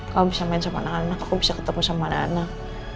kalau bisa main sama anak anak aku bisa ketemu sama anak